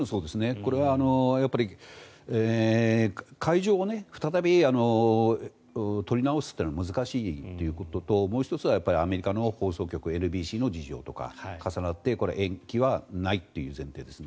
これは会場を再び取り直すのは難しいということともう１つはアメリカの放送局のＮＢＣの事情とかが重なって延期はないという前提ですね。